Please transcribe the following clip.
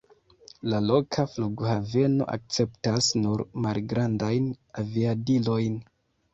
La loka flughaveno akceptas nur malgrandajn aviadilojn.